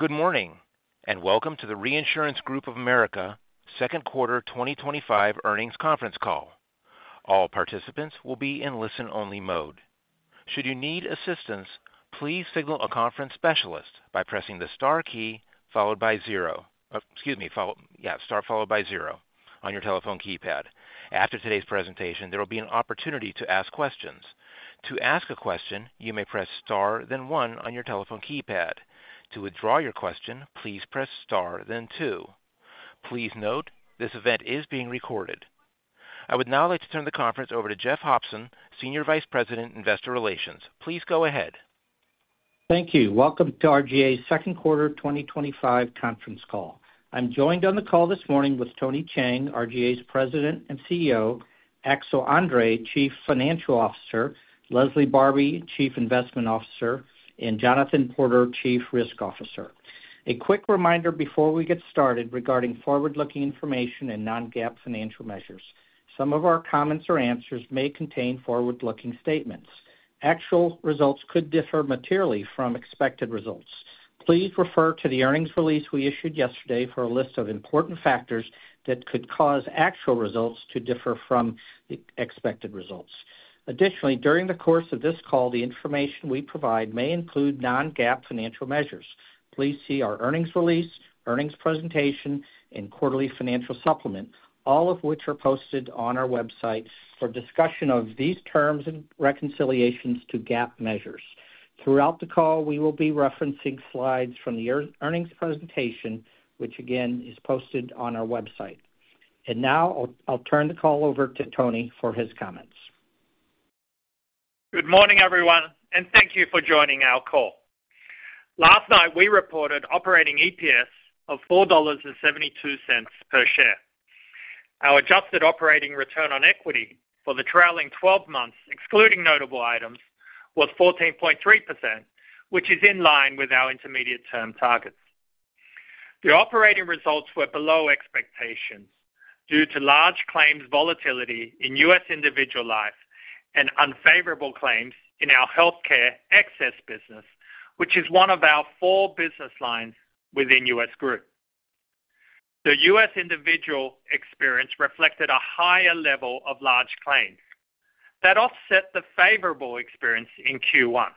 Good morning and welcome to the Reinsurance Group of America Second Quarter 2025 Earnings Conference Call. All participants will be in listen-only mode. Should you need assistance, please signal a conference specialist by pressing the star key followed by zero on your telephone keypad. After today's presentation, there will be an opportunity to ask questions. To ask a question, you may press star then one on your telephone keypad. To withdraw your question, please press star then two. Please note this event is being recorded. I would now like to turn the conference over to Jeff Hopson, Senior Vice President, Investor Relations. Please go ahead. Thank you. Welcome to RGA's second quarter 2025 conference call. I'm joined on the call this morning with Tony Cheng, RGA's President and CEO, Axel André, Chief Financial Officer, Leslie Barbi, Chief Investment Officer, and Jonathan Porter, Chief Risk Officer. A quick reminder before we get started regarding forward-looking information and non-GAAP financial measures. Some of our comments or answers may contain forward-looking statements. Actual results could differ materially from expected results. Please refer to the earnings release we issued yesterday for a list of important factors that could cause actual results to differ from expected results. Additionally, during the course of this call, the information we provide may include non-GAAP financial measures. Please see our earnings release, earnings presentation, and quarterly financial supplement, all of which are posted on our website, for discussion of these terms and reconciliations to GAAP measures. Throughout the call, we will be referencing slides from the earnings presentation, which again is posted on our website. Now I'll turn the call over to Tony for his comments. Good morning everyone and thank you for joining our call. Last night we reported operating EPS of $4.72 per share. Our adjusted operating return on equity for the trailing 12 months excluding notable items was 14.3%, which is in line with our intermediate-term targets. The operating results were below expectations due to large claims, volatility in U.S. individual life, and unfavorable claims in our healthcare excess business, which is one of our four business lines. Within U.S. Group, the U.S. individual experience reflected a higher level of large claims that offset the favorable experience in Q1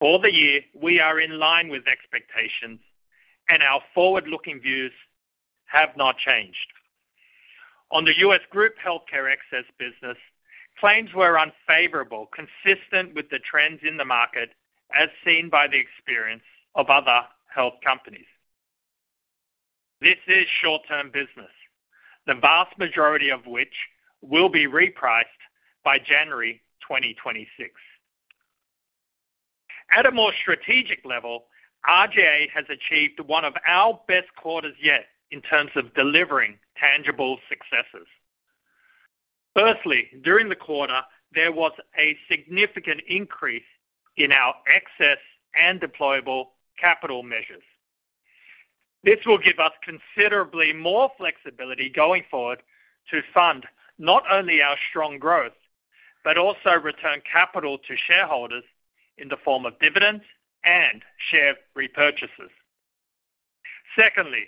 for the year. We are in line with expectations and our forward-looking views have not changed. On the U.S. Group healthcare excess business, claims were unfavorable consistent with the trends in the market as seen by the experience of other health companies. This is short-term business, the vast majority of which will be repriced by January 2026. At a more strategic level, Reinsurance Group of America has achieved one of our best quarters yet in terms of delivering tangible successes. Firstly, during the quarter there was a significant increase in our excess and deployable capital measures. This will give us considerably more flexibility going forward to fund not only our strong growth but also return capital to shareholders in the form of dividends and share repurchases. Secondly,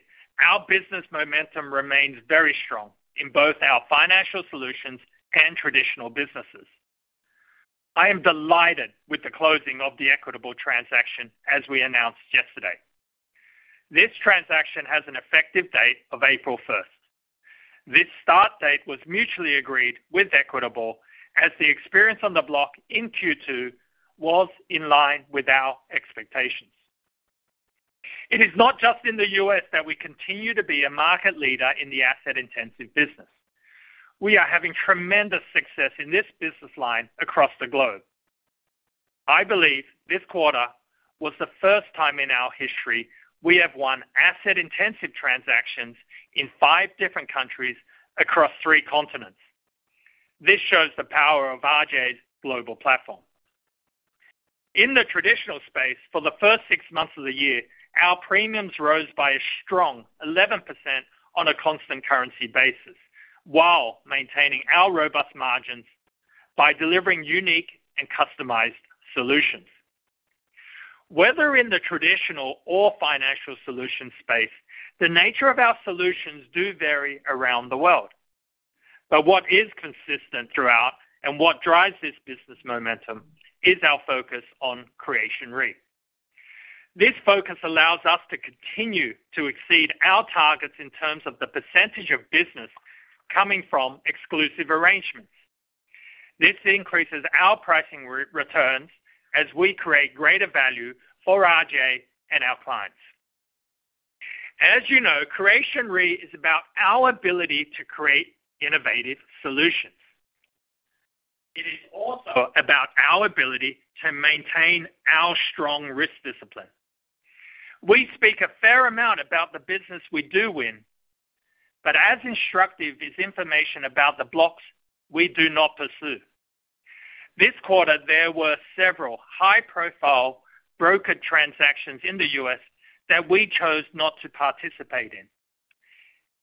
our business momentum remains very strong in both our financial solutions and traditional businesses. I am delighted with the closing of the Equitable transaction. As we announced yesterday, this transaction has an effective date of April 1st. This start date was mutually agreed with Equitable as the experience on the block in Q2 was in line with our expectations. It is not just in the U.S. that we continue to be a market leader in the asset intensive business. We are having tremendous success in this business line across the globe. I believe this quarter was the first time in our history we have won asset intensive transactions in five different countries across three continents. This shows the power of Reinsurance Group of America's global platform in the traditional space. For the first six months of the year, our premiums rose by a strong 11% on a constant currency basis while maintaining our robust margins by delivering unique and customized solutions, whether in the traditional or financial solutions space. The nature of our solutions do vary around the world. What is consistent throughout and what drives this business momentum is our focus on Creation Re. This focus allows us to continue to exceed our targets in terms of the percentage of business coming from exclusive arrangements. This increases our pricing returns as we create greater value for RGA and our clients. As you know, Creation Re is about our ability to create innovative solutions. It is also about our ability to maintain our strong risk discipline. We speak a fair amount about the business we do win, but as instructive is information about the blocks we do not pursue. This quarter there were several high profile brokered transactions in the U.S. that we chose not to participate in.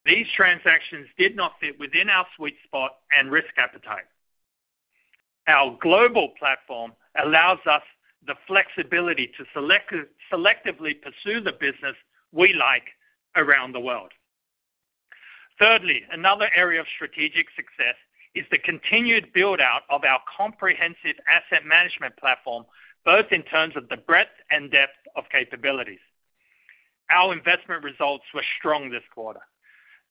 These transactions did not fit within our sweet spot and risk appetite. Our global platform allows us the flexibility to selectively pursue the business we like around the world. Another area of strategic success is the continued build out of our comprehensive asset management platform. Both in terms of the breadth and depth of capabilities, our investment results were strong this quarter.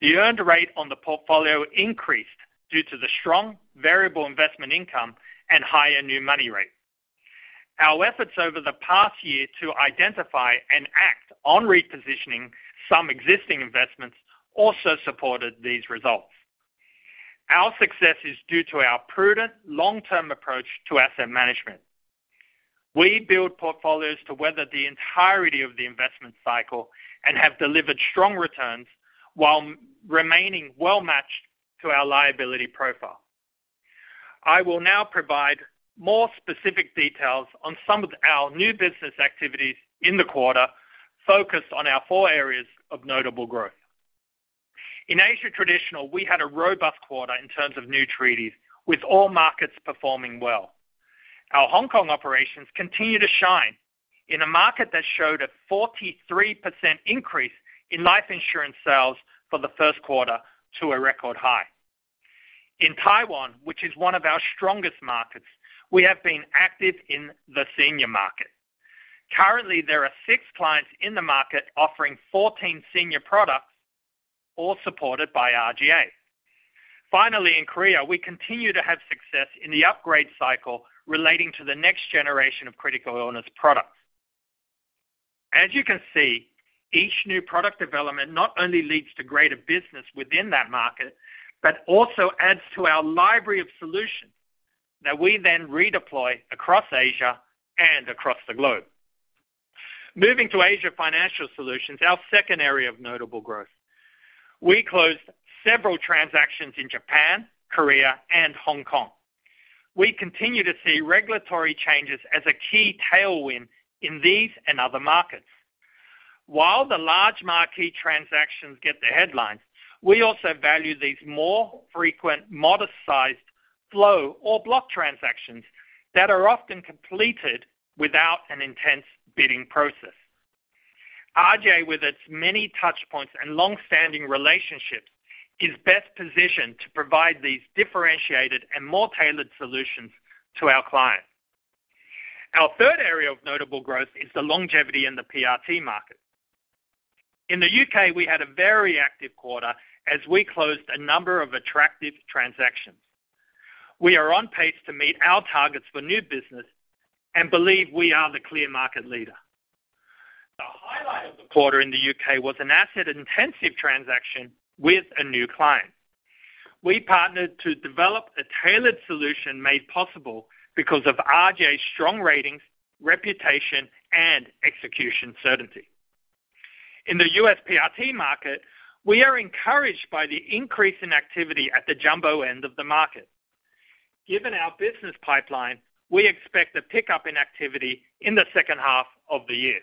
The earned rate on the portfolio increased due to the strong variable investment income and higher new money rate. Our efforts over the past year to identify and act on repositioning and some existing investments also supported these results. Our success is due to our prudent long term approach to asset management. We build portfolios to weather the entirety of the investment cycle and have delivered strong returns while remaining well matched to our liability profile. I will now provide more specific details on some of our new business activities in the quarter focused on our four areas of notable growth in Asia. Traditional, we had a robust quarter in terms of new treaties with all markets performing well. Our Hong Kong operations continue to shine in a market that showed a 43% increase in life insurance sales for the first quarter to a record high. In Taiwan, which is one of our strongest markets, we have been active in the senior market. Currently there are six clients in the market offering 14 senior products all supported by RGA. In Korea we continue to have success in the upgrade cycle relating to the next generation of critical illness products. Each new product development not only leads to greater business within that market but also adds to our library of solutions that we then redeploy across Asia and across the globe. Moving to Asia Financial Solutions, our second area of notable growth, we closed several transactions in Japan, Korea, and Hong Kong. We continue to see regulatory changes as a key tailwind in these and other markets. While the large marquee transactions get the headlines, we also value these more frequent, modest-sized flow or block transactions that are often completed without an intense bidding process. RGA, with its many touch points and long-standing relationships, is best positioned to provide these differentiated and more tailored solutions to our clients. Our third area of notable growth is the longevity in the pension risk transfer market. In the U.K., we had a very active quarter as we closed a number of attractive transactions. We are on pace to meet our targets for new business and believe we are the clear market leader. The highlight of the quarter in the U.K. was an asset-intensive transaction with a new client. We partnered to develop a tailored solution made possible because of RGA's strong ratings, reputation, and execution certainty. In the U.S. pension risk transfer market, we are encouraged by the increase in activity at the jumbo end of the market. Given our business pipeline, we expect a pickup in activity in the second half of the year.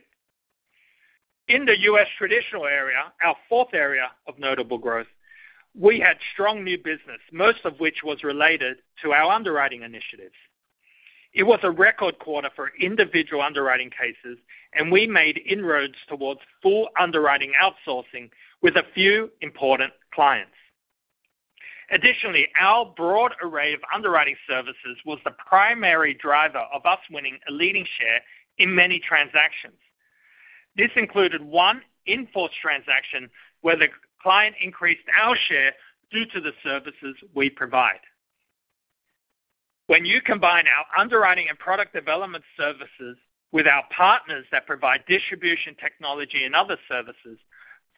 In the U.S. Traditional area, our fourth area of notable growth, we had strong new business, most of which was related to our underwriting initiatives. It was a record quarter for individual underwriting cases, and we made inroads towards full underwriting outsourcing with a few important clients. Additionally, our broad array of underwriting services was the primary driver of us winning a leading share in many transactions. This included one in-force transaction where the client increased our share due to the services we provide. When you combine our underwriting and product development services with our partners that provide distribution, technology, and other services,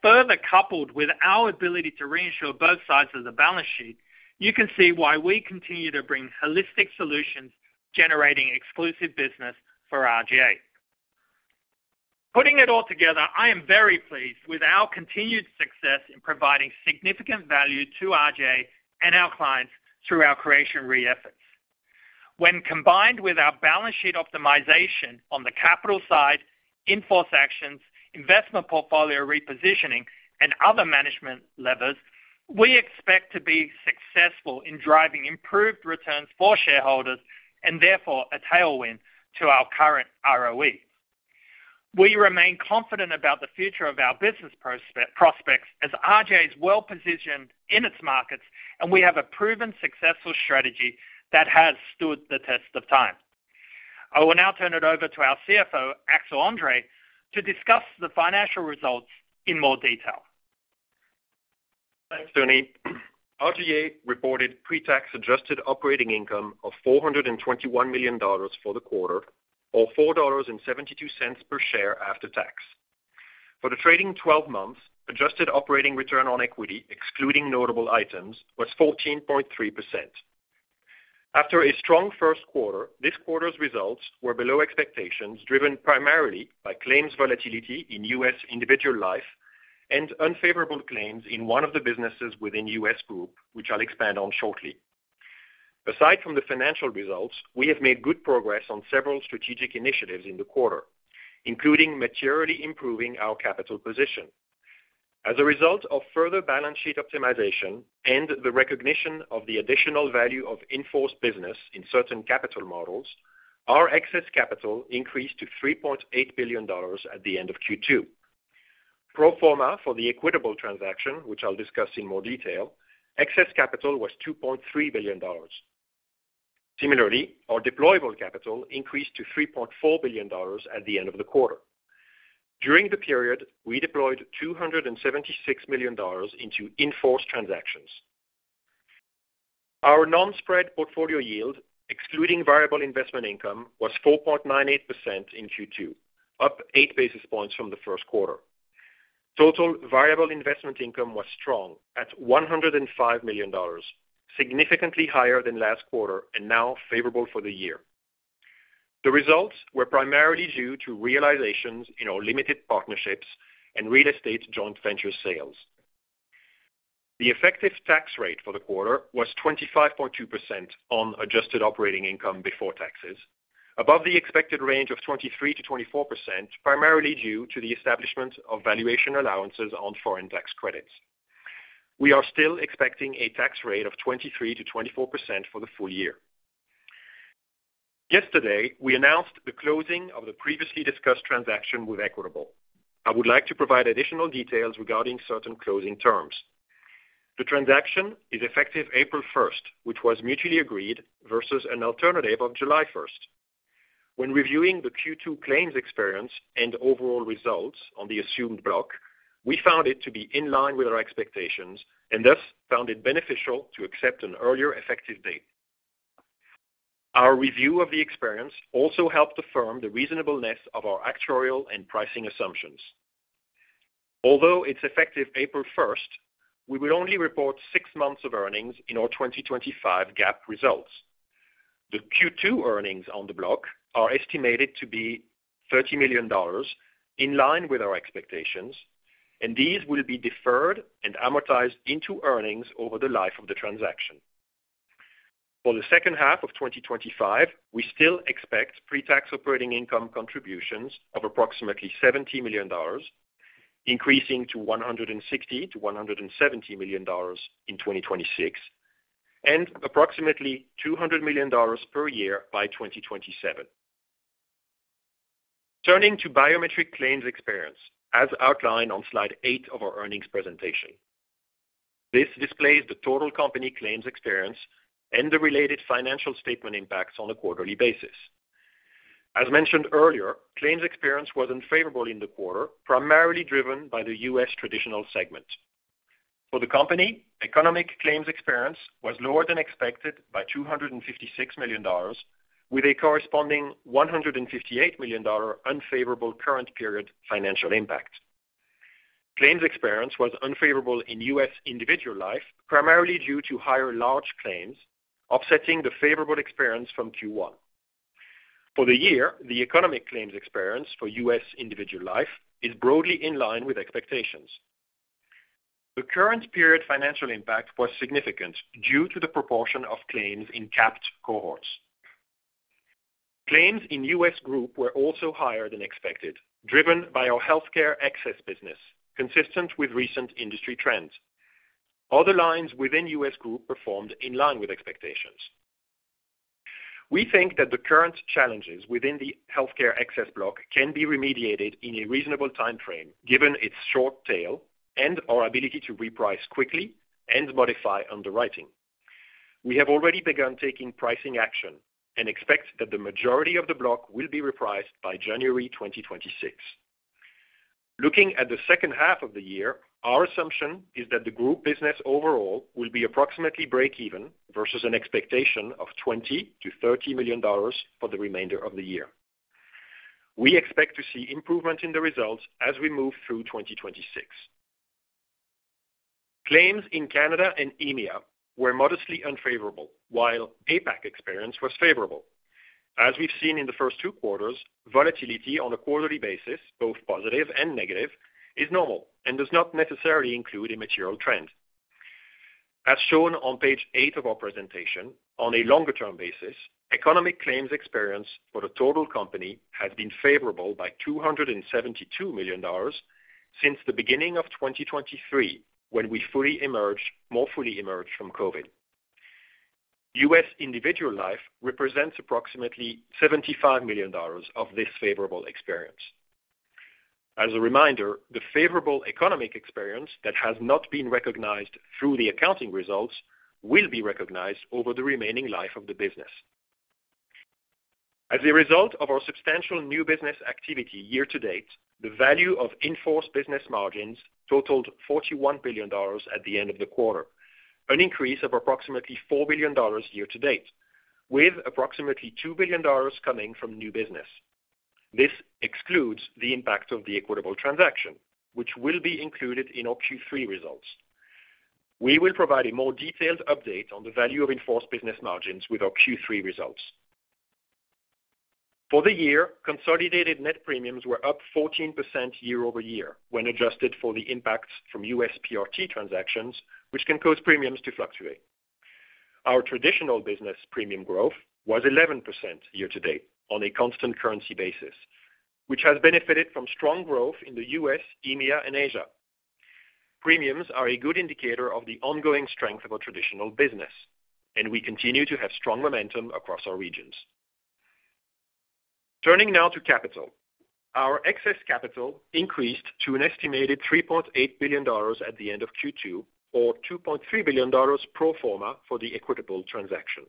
further coupled with our ability to reinsure both sides of the balance sheet, you can see why we continue to bring holistic solutions generating exclusive business for RGA. Putting it all together, I am very pleased with our continued success in providing significant value to RGA and our clients through our Creation Re efforts. When combined with our balance sheet optimization on the capital side, in-force actions, investment portfolio repositioning, and other management levers, we expect to be successful in driving improved returns for shareholders and therefore a tailwind to our current ROE. We remain confident about the future of our business prospects as RGA is well positioned in its markets and we have a proven successful strategy that has stood the test of time. I will now turn it over to our CFO, Axel André, to discuss the financial results in more detail. Tony. Reinsurance Group of America reported pre-tax adjusted operating income of $421 million for the quarter, or $4.72 per share after tax for the trailing 12 months. Adjusted operating return on equity, excluding notable items, was 14.3%. After a strong first quarter, this quarter's results were below expectations, driven primarily by claims volatility in U.S. individual life and unfavorable claims in one of the businesses within U.S. Group, which I'll expand on shortly. Aside from the financial results, we have made good progress on several strategic initiatives in the quarter, including materially improving our capital position as a result of further balance sheet optimization and the recognition of the additional value of in-force business in certain capital models. Our excess capital increased to $3.8 billion at the end of Q2 pro forma. For the Equitable transaction, which I'll discuss in more detail, excess capital was $2.3 billion. Similarly, our deployable capital increased to $3.4 billion at the end of the quarter. During the period, we deployed $276 million into in-force transactions. Our non-spread portfolio yield excluding variable investment income was 4.98% in Q2, up 8 basis points from the first quarter. Total variable investment income was strong at $105 million, significantly higher than last quarter and now favorable for the year. The results were primarily due to realizations in our limited partnerships and real estate joint venture sales. The effective tax rate for the quarter was 25.2% on adjusted operating income before taxes, above the expected range of 23% to 24%, primarily due to the establishment of valuation allowances on foreign tax credits. We are still expecting a tax rate of 23% to 24% for the full year. Yesterday we announced the closing of the previously discussed transaction with Equitable. I would like to provide additional details regarding certain closing terms. The transaction is effective April 1st, which was mutually agreed versus an alternative of July 1st. When reviewing the Q2 claims experience and overall results on the assumed block, we found it to be in line with our expectations and thus found it beneficial to accept an earlier effective date. Our review of the experience also helped affirm the reasonableness of our actuarial and pricing assumptions. Although it's effective April 1st, we will only report 6 months of earnings in our 2025 GAAP results. The Q2 earnings on the block are estimated to be $30 million in line with our expectations, and these will be deferred and amortized into earnings over the life of the transaction for the second half of 2025. We still expect pre-tax operating income contributions of approximately $70 million, increasing to $160 to $170 million in 2026, and approximately $200 million per year by 2027. Turning to biometric claims experience, as outlined on slide 8 of our earnings presentation, this displays the total company claims experience and the related financial statement impacts on a quarterly basis. As mentioned earlier, claims experience was unfavorable in the quarter, primarily driven by the U.S. Traditional segment. For the company, economic claims experience was lower than expected by $256 million, with a corresponding $158 million unfavorable current period financial impact. Claims experience was unfavorable in U.S. individual life, primarily due to higher large claims offsetting the favorable experience from Q1 for the year. The economic claims experience for U.S. individual life is broadly in line with expectations. The current period financial impact was significant due to the proportion of claims in capped cohorts. Claims in U.S. Group were also higher than expected, driven by our healthcare excess business. Consistent with recent industry trends, other lines within U.S. Group performed in line with expectations. We think that the current challenges within the healthcare excess block can be remediated in a reasonable time frame given its short tail and our ability to reprice quickly and modify underwriting. We have already begun taking pricing action and expect that the majority of the block will be repriced by January 2026. Looking at the second half of the year, our assumption is that the group business overall will be approximately breakeven versus an expectation of $20 to $30 million for the remainder of the year. We expect to see improvement in the results as we move through 2026. Claims in Canada and EMEA were modestly unfavorable, while APAC experience was favorable as we've seen in the first two quarters. Volatility on a quarterly basis, both positive and negative, is normal and does not necessarily include a material trend as shown on page eight of our presentation. On a longer-term basis, economic claims experience for the total company has been favorable by $272 million, and since the beginning of 2023 when we more fully emerged from COVID, U.S. individual life represents approximately $75 million of this favorable experience. As a reminder, the favorable economic experience that has not been recognized through the accounting results will be recognized over the remaining life of the business. As a result of our substantial new business activity year to date, the value of in-force business margins totaled $41 billion at the end of the quarter, an increase of approximately $4 billion year to date, with approximately $2 billion coming from new business. This excludes the impact of the Equitable transaction, which will be included in our Q3 results. We will provide a more detailed update on the value of in-force business margins with our Q3 results for the year. Consolidated net premiums were up 14% year-over-year when adjusted for the impacts from U.S. PRT transactions, which can cause premiums to fluctuate. Our traditional business premium growth was 11% year to date on a constant currency basis, which has benefited from strong growth in the U.S., EMEA, and Asia. Premiums are a good indicator of the ongoing strength of our traditional business, and we continue to have strong momentum across our regions. Turning now to capital, our excess capital increased to an estimated $3.8 billion at the end of Q2, or $2.3 billion pro forma for the Equitable transaction.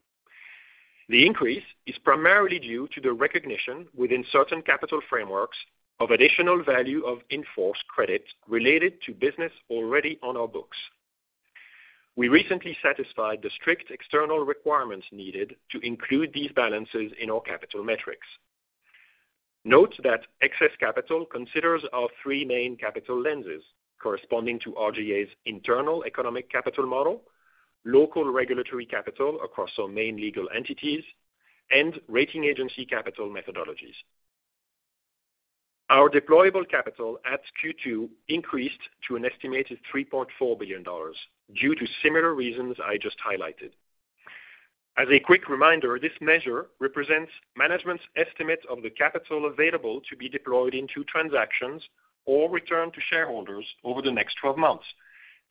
The increase is primarily due to the recognition within certain capital frameworks of additional value of in-force credit related to business already on our books. We recently satisfied the strict external requirements needed to include these balances in our capital metrics. Note that excess capital considers our three main capital lenses corresponding to RGA's internal economic capital model, local regulatory capital across our main legal entities, and rating agency capital methodologies. Our deployable capital at Q2 increased to an estimated $3.4 billion due to similar reasons I just highlighted. As a quick reminder, this measure represents management's estimate of the capital available to be deployed into transactions or returned to shareholders over the next 12 months,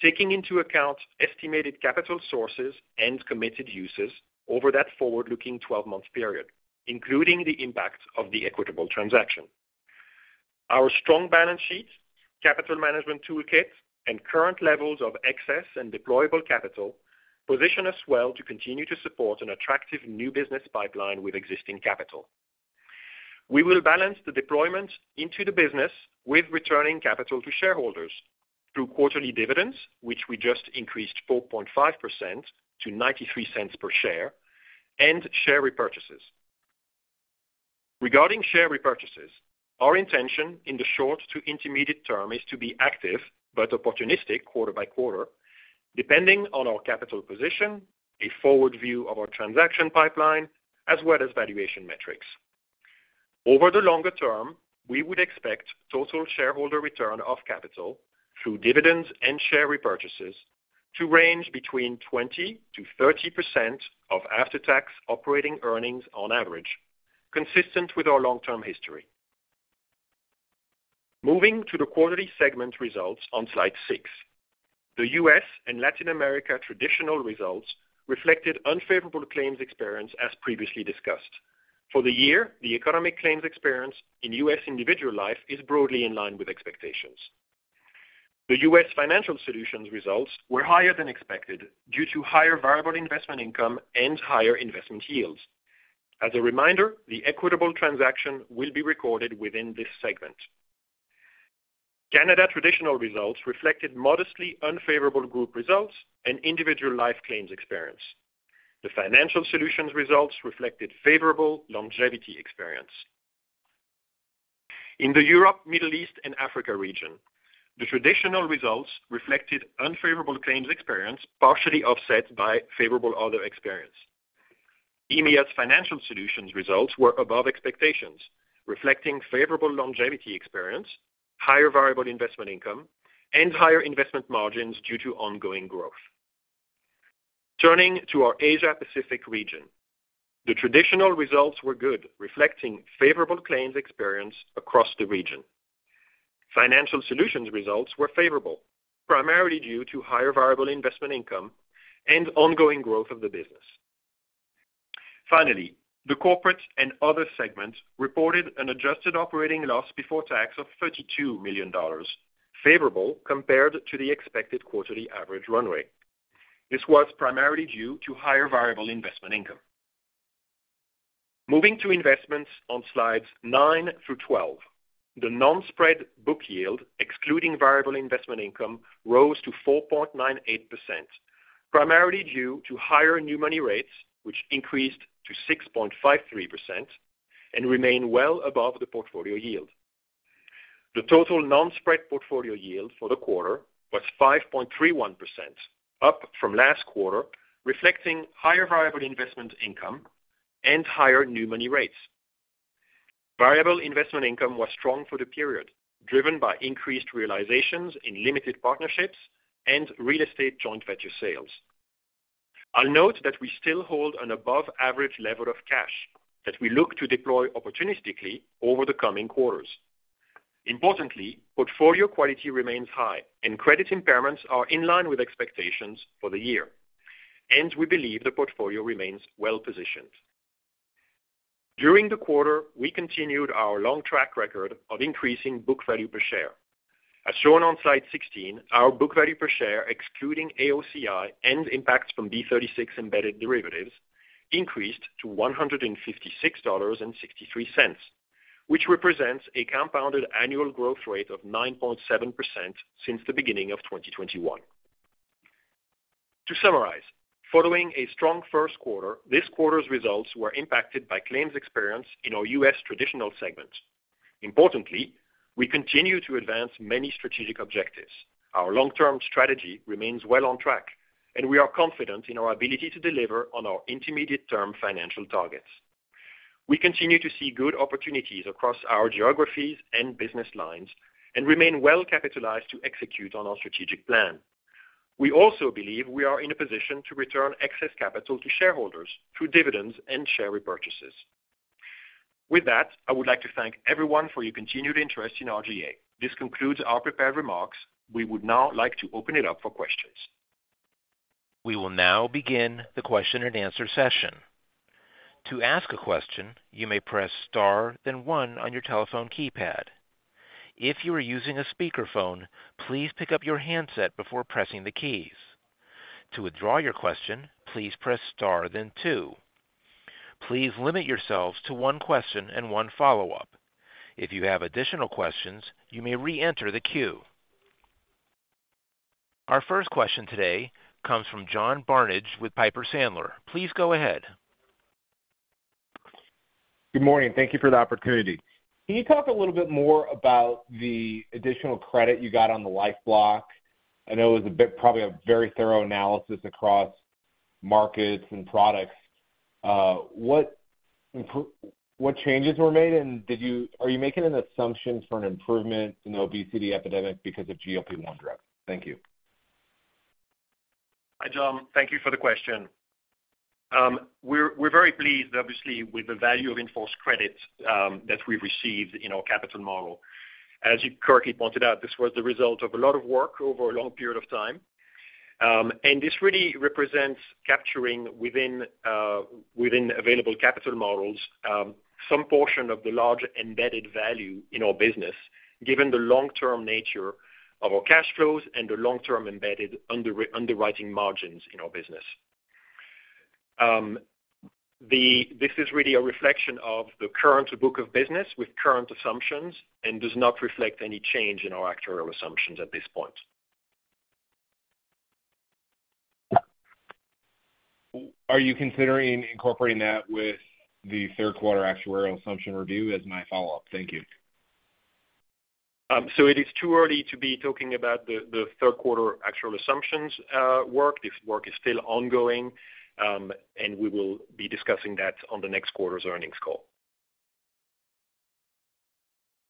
taking into account estimated capital sources and committed uses over that forward-looking 12-month period, including the impact of the Equitable transaction. Our strong balance sheet, capital management toolkit, and current levels of excess and deployable capital position us well to continue to support an attractive new business pipeline with existing capital. We will balance the deployment into the business with returning capital to shareholders through quarterly dividends, which we just increased 4.5% to $0.93 per share, and share repurchases. Regarding share repurchases, our intention in the short to intermediate term is to be active but opportunistic quarter by quarter, depending on our capital position, a forward view of our transaction pipeline, as well as valuation metrics. Over the longer term, we would expect total shareholder return of capital through dividends and share repurchases to range between 20% to 30% of after-tax operating earnings on average, consistent with our long-term history. Moving to the quarterly segment results on slide 6, the U.S. and Latin America traditional results reflected unfavorable claims experience as previously discussed. For the year, the economic claims experience in U.S. Individual life is broadly in line with expectations. The U.S. Financial Solutions results were higher than expected due to higher variable investment income and higher investment yields. As a reminder, the Equitable transaction will be recorded within this segment. Canada traditional results reflected modestly unfavorable group results and individual life claims experience. The Financial Solutions results reflected favorable longevity. Experience. In the Europe, Middle East and Africa region, the traditional results reflected unfavorable claims experience partially offset by favorable other experiences. EMEA's financial solutions results were above expectations, reflecting favorable longevity experience, higher variable investment income, and higher investment margins due to ongoing growth. Turning to our Asia Pacific region, the traditional results were good, reflecting favorable claims experience across the region. Financial solutions results were favorable primarily due to higher variable investment income and ongoing growth of the business. Finally, the corporate and other segments reported an adjusted operating loss before tax of $32 million, favorable compared to the expected quarterly average run rate. This was primarily due to higher variable investment income. Moving to investments on slides 9 through 12, the non-spread book yield excluding variable investment income rose to 4.98%, primarily due to higher new money rates, which increased to 6.53% and remain well above the portfolio yield. The total non-spread portfolio yield for the quarter was 5.31%, up from last quarter, reflecting higher variable investment income and higher new money rates. Variable investment income was strong for the period, driven by increased realizations in limited partnerships and real estate joint venture sales. I'll note that we still hold an above average level of cash that we look to deploy opportunistically over the coming quarters. Importantly, portfolio quality remains high and credit impairments are in line with expectations for the year, and we believe the portfolio remains well positioned. During the quarter, we continued our long track record of increasing book value per share as shown on slide 16. Our book value per share excluding AOCI and impacts from B36 embedded derivatives increased to $156.63, which represents a compounded annual growth rate of 9.7% since the beginning of 2021. To summarize, following a strong first quarter, this quarter's results were impacted by claims experience in our U.S. Traditional segment. Importantly, we continue to advance many strategic objectives. Our long-term strategy remains well on track, and we are confident in our ability to deliver on our intermediate-term financial targets. We continue to see good opportunities across our geographies and business lines and remain well capitalized to execute on our strategic plan. We also believe we are in a position to return excess capital to shareholders through dividends and share repurchases. With that, I would like to thank everyone for your continued interest in RGA. This concludes our prepared remarks. We would now like to open it up for questions. We will now begin the question and answer session. To ask a question, you may press star then one on your telephone keypad. If you are using a speakerphone, please pick up your handset before pressing the keys. To withdraw your question, please press star then two. Please limit yourselves to one question and one follow up. If you have additional questions, you may reenter the queue. Our first question today comes from John Barnidge with Piper Sandler. Please go ahead. Good morning. Thank you for the opportunity. Can you talk a little bit more? About the additional credit you got on the life block? I know it was probably a very thorough analysis across markets and products. What changes were made, and are you? Making an assumption for an improvement in the obesity epidemic because of GLP-1 drugs? Thank you. Hi John, thank you for the question. We're very pleased, obviously, with the value of in-force credit that we've received in our capital model. As you correctly pointed out, this was the result of a lot of work over a long period of time, and this really represents capturing within available capital models some portion of the large embedded value in our business given the long-term nature of our cash flows and the long-term embedded underwriting margins in our business. This is really a reflection of the current block of business with current assumptions and does not reflect any change in our actuarial assumptions at this point. Are you considering incorporating that with the third quarter Actuarial Assumption Review as my follow up? Thank you. It is too early to be talking about the third quarter actual assumptions work. This work is still ongoing, and we will be discussing that on the next quarter's earnings call.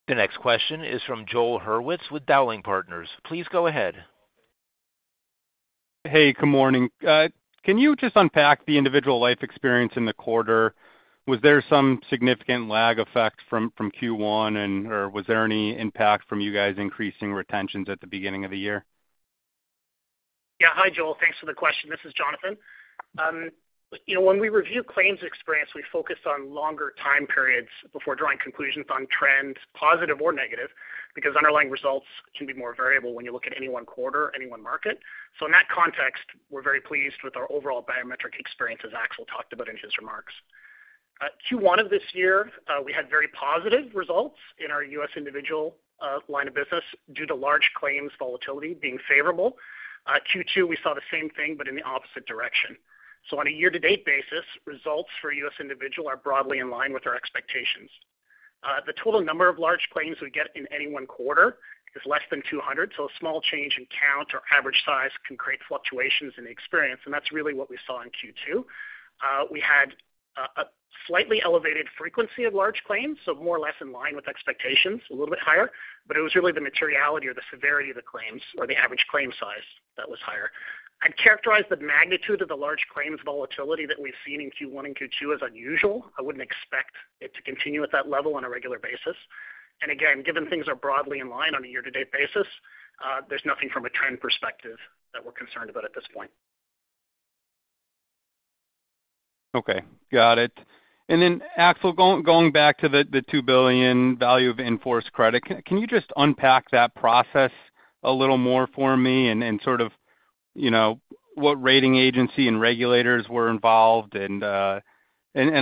The next question is from Joel Hurwitz with Dowling Partners. Please go ahead. Hey, good morning. Can you just unpack the individual life experience in the quarter? Was there some significant lag effect from Q1? Was there any impact from you guys? Increasing retentions at the beginning of the year? Yeah. Hi Joel, thanks for the question. This is Jonathan. When we review claims experience, we focus on longer time periods before drawing conclusions on trend positive or negative, because underlying results can be more variable when you look at any 1/4, any one market. In that context, we're very pleased with our overall biometric experience, as Axel talked about in his remarks. Q1 of this year, we had very positive results in our U.S. individual line of business due to large claims volatility being favorable. Q2, we saw the same thing, but in the opposite direction. On a year to date basis, results for U.S. individual are broadly in line with our expectations. The total number of large claims we get in any 1/4 is less than 200, so a small change in count or average size can create fluctuations in the experience. That's really what we saw in Q2. We had a slightly elevated frequency of large claims, so more or less in line with expectations, a little bit higher. It was really the materiality or the severity of the claims or the average claim size that was higher. I'd characterize the magnitude of the large claims volatility that we've seen in Q1 and Q2 as unusual. I wouldn't expect it to continue at that level on a regular basis. Given things are broadly in line on a year to date basis, there's nothing from a trend perspective that we're concerned about at this point. Okay, got it. Axel, going back to the. $2 billion value of in-force credit, can you just unpack that process a little more for me and sort of. You know what rating agency and regulators were involved. I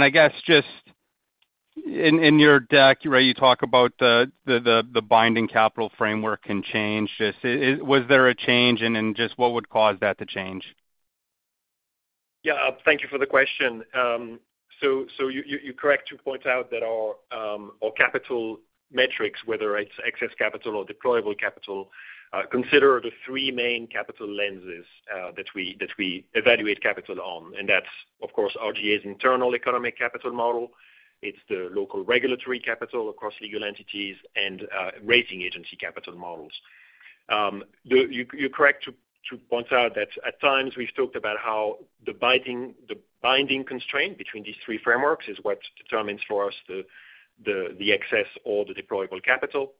guess just in your deck. You talk about the binding capital framework can change. Was there a change, and just what would cause that to change? Yeah, thank you for the question. You're correct to point out that our capital metrics, whether it's excess capital or deployable capital, consider the three main capital lenses that we evaluate capital on. That's of course RGA's internal economic capital model, the local regulatory capital across legal entities, and rating agency capital models. You're correct to point out that at times we've talked about how the binding constraint between these three frameworks is what determines for us the excess or the deployable capital.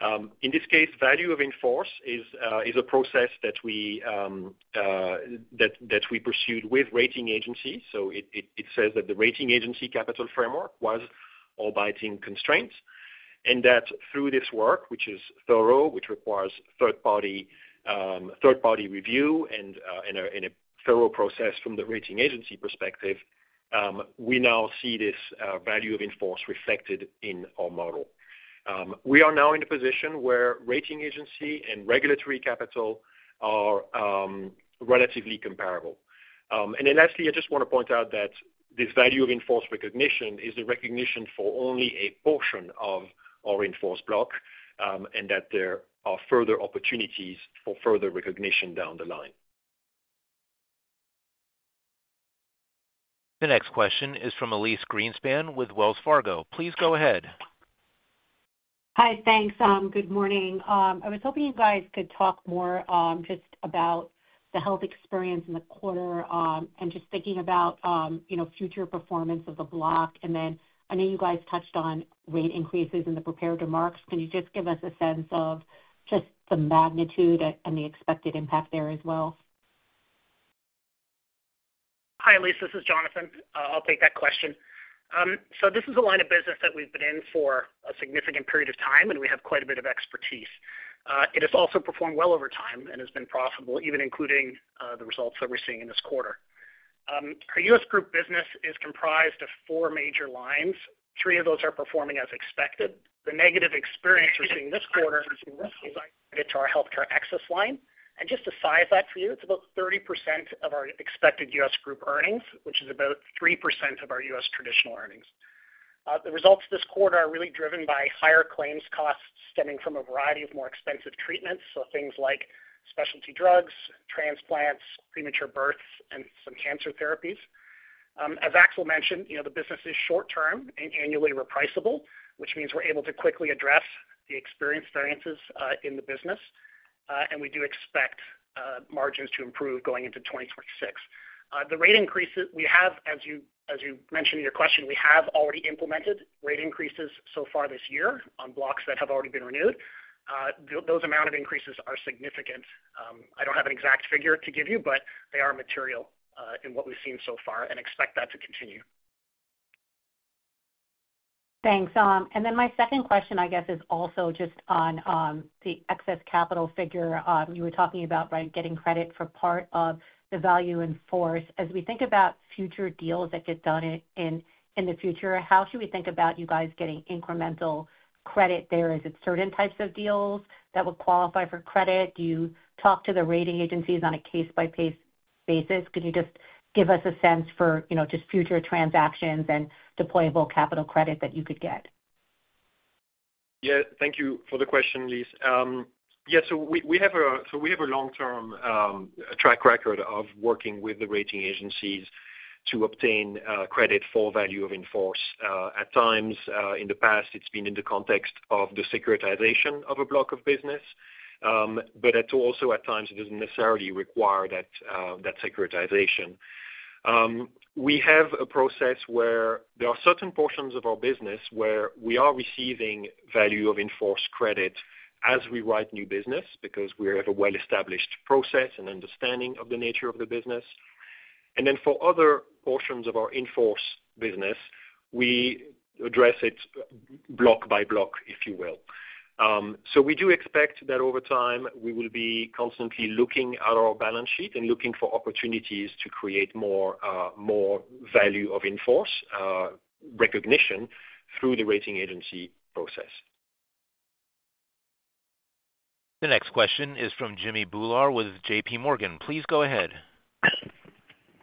In this case, value of in-force is a process that we pursued with rating agencies. It says that the rating agency capital framework was a binding constraint and that through this work, which is thorough, which requires third-party review and a thorough process from the rating agency perspective, we now see this value of in-force reflected in our model. We are now in a position where rating agency and regulatory capital are relatively comparable. Lastly, I just want to point out that this value of in-force recognition is a recognition for only a portion of our in-force block and that there are further opportunities for further recognition down the line. The next question is from Elyse Greenspan with Wells Fargo. Please go ahead. Hi, thanks. Good morning. I was hoping you guys could talk more just about the health experience in the quarter and just thinking about future performance of the block. I know you guys touched on rate increases in the prepared remarks. Can you just give us a sense of just the magnitude and the expected impact there as well? Hi Elyse, this is Jonathan. I'll take that question. This is a line of business that we've been in for a significant period of time and we have quite a bit of expertise. It has also performed well over time and has been profitable even including the results that we're seeing in this quarter. Our U.S. group business is comprised of four major lines. Three of those are performing as expected. The negative experience we're seeing this quarter is our healthcare excess line. Just to size that for you, it's about 30% of our expected U.S. group earnings, which is about 3% of our U.S. traditional earnings. The results this quarter are really driven by higher claims costs stemming from a variety of more expensive treatments, things like specialty drugs, transplants, premature births, and some cancer therapies. As Axel mentioned, the business is short term and annually repricable, which means we're able to quickly address the experience variances in the business. We do expect margins to improve going into 2026. The rate increases we have, as you mentioned in your question, we have already implemented rate increases so far this year on blocks that have already been renewed. Those amount of increases are significant. I don't have an exact figure to give you, but they are material in what we've seen so far and expect that to continue. Thanks. My second question is also just on the excess capital figure. You were talking about getting credit for part of the value in force. As we think about future deals that get done in the future, how should we think about you guys getting incremental credit there? Is it certain types of deals that would qualify for credit? Do you talk to the rating agencies on a case by case basis? Could you just give us a sense for future transactions and deployable capital credit that you could get? Yeah, thank you for the question, Elyse. Yes, we have a long-term track record of working with the rating agencies to obtain credit for value of in-force. At times in the past, it's been in the context of the securitization of a block of business, but also at times it doesn't necessarily require that securitization. We have a process where there are certain portions of our business where we are receiving value of in-force credit as we write new business because we have a well-established process and understanding of the nature of the business. For other portions of our in-force business, we address it block by block, if you will. We do expect that over time we will be constantly looking at our balance sheet and looking for opportunities to create more value of in-force recognition through the rating agency process. The next question is from Jimmy Bhullar with J. P. Morgan. Please go ahead.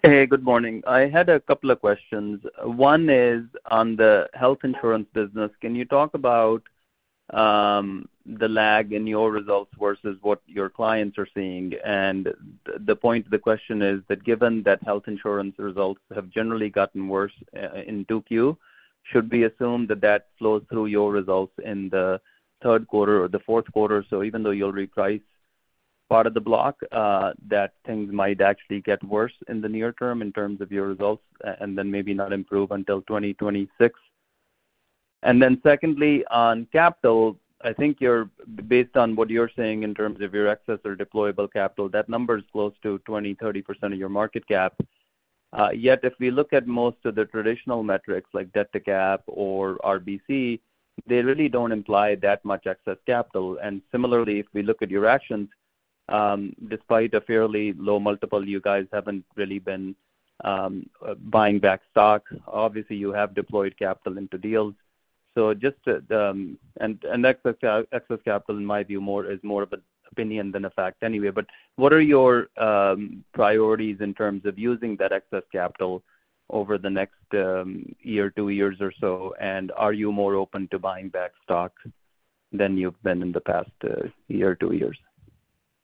Hey, good morning. I had a couple of questions. One is on the health insurance business. Can you talk about the lag in your results versus what your clients are seeing? The point of the question is that given that health insurance results have generally gotten worse in 2Q, should it be assumed that that flows through your results in the third quarter or the fourth quarter? Even though you'll reprice part of the block, things might actually get worse in the near term in terms of your results and then maybe not improve until 2026. Secondly, on capital, I think based on what you're saying in terms of your excess or deployable capital, that number is close to 20% to 30% of your market cap. Yet if we look at most of the traditional metrics like debt to cap or RBC, they really don't imply that much excess capital. Similarly, if we look at your actions, despite a fairly low multiple, you guys haven't really been buying back stock. Obviously, you have deployed capital into deals, so just, and excess capital in my view is more of an opinion than a fact anyway. What are your priorities in terms of using that excess capital over the next year, two years or so? Are you more open to buying back stock than you've been in the past year or two years?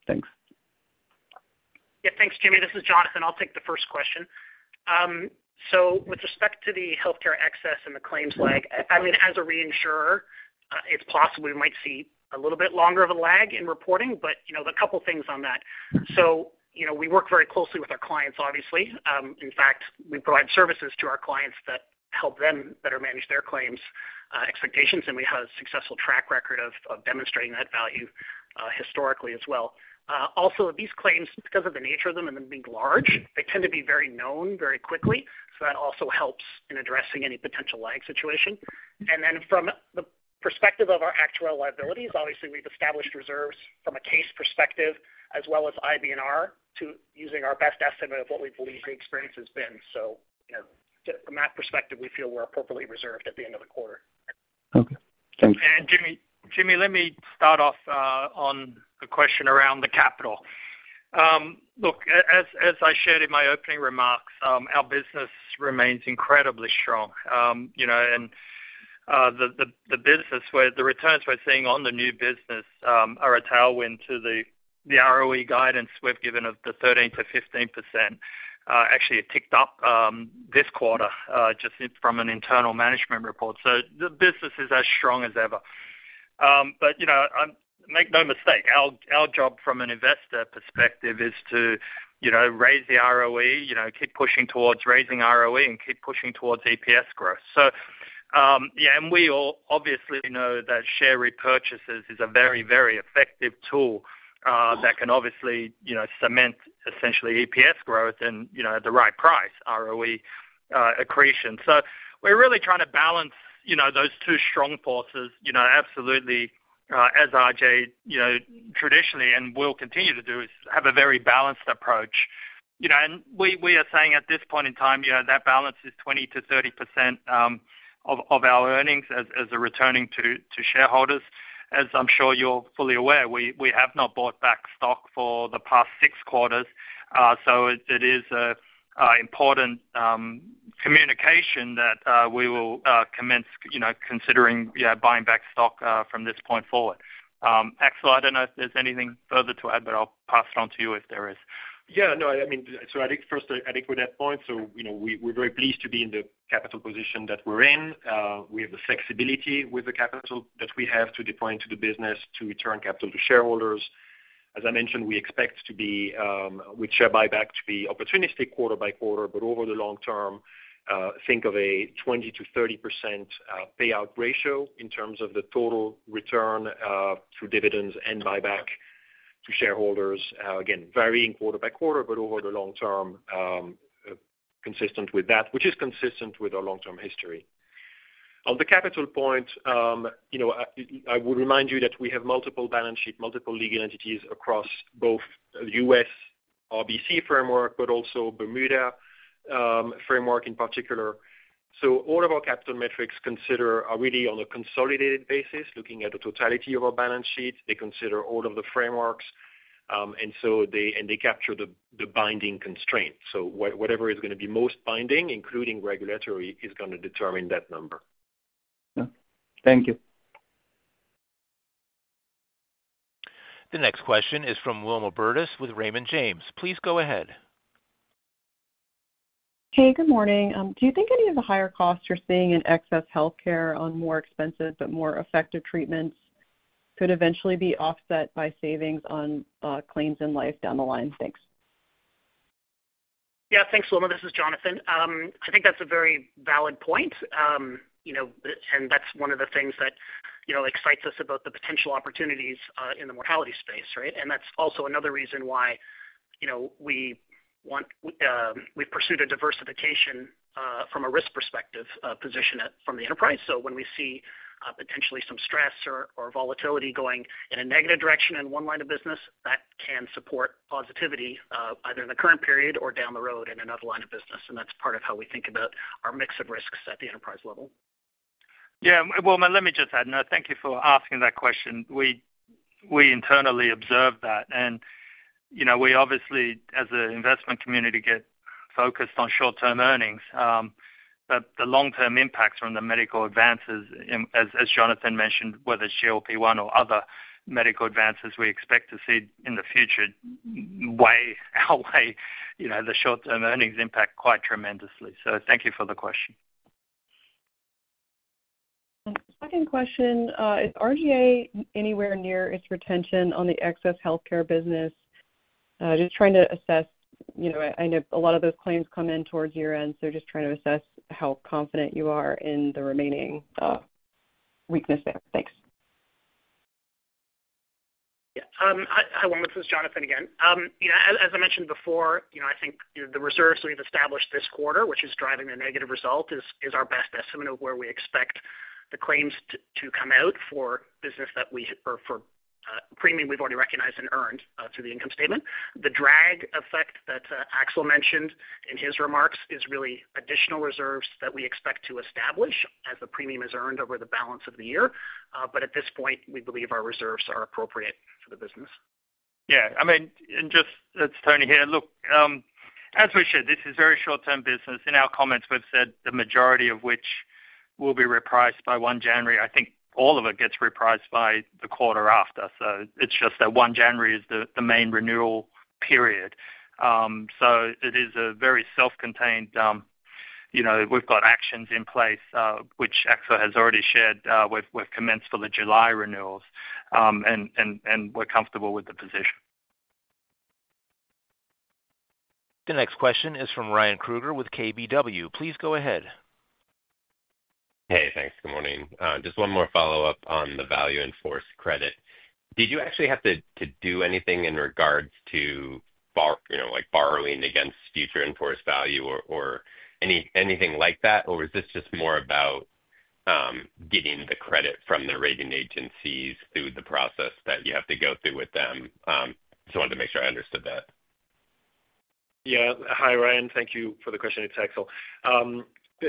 Thanks. Thanks Jimmy. This is Jonathan. I'll take the first question. With respect to the healthcare excess and the claims lag, as a reinsurer it's possible we might see a little bit longer of a lag in reporting, but a couple things on that. We work very closely with our clients. In fact, we provide services to our clients that help them better manage their claims expectations, and we have a successful track record of demonstrating that value historically as well. Also, these claims, because of the nature of them and them being large, tend to be very known very quickly. That also helps in addressing any potential lag situation. From the perspective of our actuarial liabilities, we've established reserves from a case perspective as well as IBNR using our best estimate of what we believe the experience has been. From that perspective, we feel we're appropriately reserved at the end of the quarter. Thank you, Jimmy. Let me start off on the question around the capital. As I shared in my opening. Remarks, our business remains incredibly strong and the business where the returns we're seeing on the new business are a tailwind to the ROE guidance we've given of the 13 to 15%. Actually, it ticked up this quarter just from an internal management report. The business is as strong as ever. Make no mistake, our job from an investor perspective is to raise the ROE, keep pushing towards raising ROE and keep pushing towards EPS growth. We obviously know that share repurchases is a very, very effective tool that can obviously cement essentially EPS growth and at the right price, ROE accretion. We're really trying to balance those two strong forces. Absolutely. As RGA traditionally and will continue to do is have a very balanced approach. We are saying at this point in time that balance is 20% to 30% of our earnings as a returning to shareholders. As I'm sure you're fully aware, we. Have not bought back stock for the past six quarters. It is important communication that we will commence considering buying back stock from this point forward. Axel, I don't know if there's anything further to add, but I'll pass it on to you if there is. Yeah, no, I mean, I think first, with that point, we're very pleased to be in the capital position that we're in. We have the flexibility with the capital that we have to deploy into the business to return capital to shareholders. As I mentioned, we expect to be with share buyback to be opportunistic quarter by quarter, but over the long term, think of a 20% to 30% payout ratio in terms of the total return through dividends and buyback to shareholders, again varying quarter by quarter, but over the long term, consistent with that, which is consistent with our long term history. On the capital point, I would remind you that we have multiple balance sheets, multiple legal entities across both U.S. RBC framework but also Bermuda framework in particular. All of our capital metrics are really on a consolidated basis looking at the totality of our balance sheet. They consider all of the frameworks and they capture the binding constraint. Whatever is going to be most binding, including regulatory, is going to determine that number. Thank you. The next question is from Wilma Burdis with Raymond James. Please go ahead. Hey, good morning. Do you think any of the higher costs you're seeing in excess healthcare on more expensive but more effective treatments could eventually be offset by savings on claims in life down the line? Thanks. Yeah, thanks Wilma, this is Jonathan. I think that's a very valid point and that's one of the things that excites us about the potential opportunities in the mortality space. That's also another reason why. We'Ve. Pursued a diversification from a risk perspective position from the enterprise. When we see potentially some stress or volatility going in a negative direction in one line of business, that can support positivity either in the current period or down the road in another line of business. That's part of how we think about our mix of risks at the enterprise level. Thank you for asking that question. We internally observe that and we obviously as an investment community get focused on short-term earnings, but the long-term impacts from the medical advances, as Jonathan mentioned, whether it's GLP-1 or other medical advances we expect to see in the future, outweigh the short-term earnings impact quite tremendously. Thank you for the question. Second question, is RGA anywhere near its retention on the excess healthcare business? Just trying to assess, I know a lot of those claims come in towards year end, so just trying to assess how confident you are in the remaining. Thanks. Hi Wong, this is Jonathan again. As I mentioned before, I think the reserves we've established this quarter, which is driving the negative result, is our best estimate of where we expect the claims to come out for business that we, or for premium we've already recognized and earned through the income statement. The drag effect that Axel mentioned in his remarks is really additional reserves that we expect to establish as the premium is earned over the balance of the year. At this point, we believe our reserves are appropriate for the business. Yeah, I mean just it's Tony here, look, as we said this is very short-term business. In our comments we've said the majority of which will be repriced by January 1. I think all of it gets repriced by the quarter after, it's just that January 1 is the main renewal period. It is very self-contained, we've got actions in place which RGA has already shared. We've commenced for the July renewals. We're comfortable with the position. The next question is from Ryan Krueger with Keefe, Bruyette & Woods. Please go ahead. Hey, thanks. Good morning. Just one more follow-up on the value in-force credit. Did you actually have to do anything? In regards to borrowing against future in-force. Value or anything like that? Is this just more about getting. The credit from the rating agencies, through the process that you have to go through with them? I wanted to make sure I understood that. Yeah, hi Ryan, thank you for the question. It's Axel.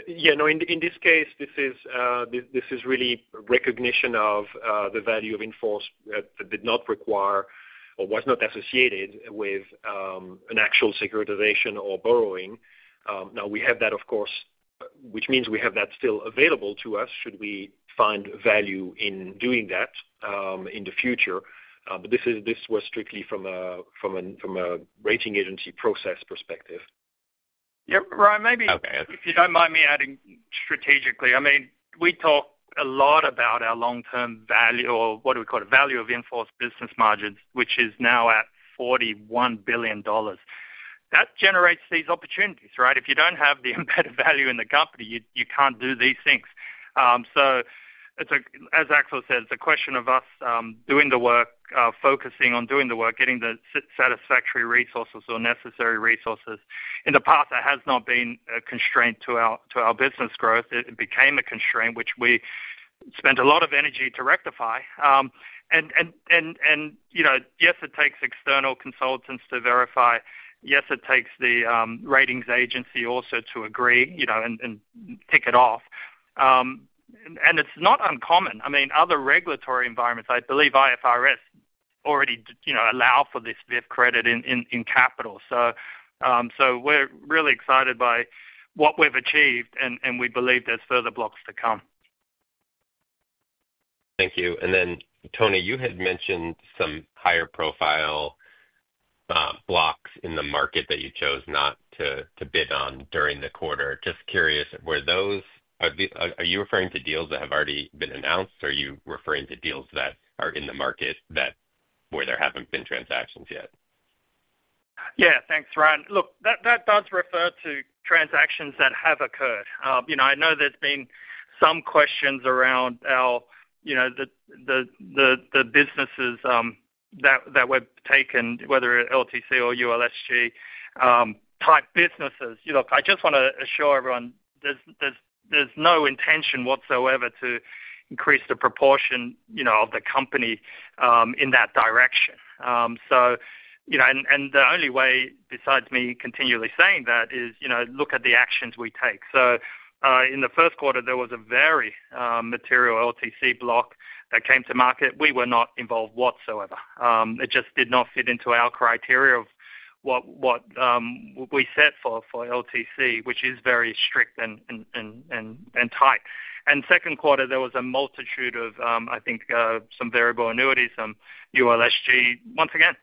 In this case, this is really recognition of the value of in-force that did not require or was not associated with an actual securitization or borrowing. Now we have that, of course, which means we have that still available to us should we find value in doing that in the future. This was strictly from a rating agency process perspective. Ryan, maybe if you don't mind me. Adding strategically, I mean we talk a lot about our long-term value or what do we call it, value of in-force business margins, which is now at $41 billion. That generates these opportunities. Right. If you don't have the embedded value in the company, you can't do these things. As Axel André said, it's a question of us doing the work, focusing on doing the work, getting the satisfactory resources or necessary resources. In the past, that has not been a constraint to our business growth. It became a constraint, which we spent a lot of energy to rectify. Yes, it takes external consultants to verify. Yes, it takes the ratings agency also to agree and tick it off. It's not uncommon. Other regulatory environments, I believe IFRS already allow for this VIF credit in capital. We're really excited by what we've achieved and we believe there's further blocks to come. Thank you. Tony, you had mentioned some. Higher profile blocks in the market that you chose not to bid on during the quarter. Just curious, were those, are you referring. To deals that have already been announced? Are you referring to deals that are in the market where there haven't been transactions yet? Yeah, thanks Ryan. Look, that does refer to transactions that have occurred. You know, I know there's been some questions around our, you know, the businesses that were taken, whether LTC or ULSG type businesses. Look, I just want to assure everyone there's no intention whatsoever to increase the proportion of the company in that direction. The only way besides me continually saying that is look at the actions we take. In the first quarter there was a very material LTC block that came to market. We were not involved whatsoever. It just did not fit into our criteria of what we set for LTC, which is very strict and tight. In the second quarter there was a multitude of, I think, some variable annuities, some once again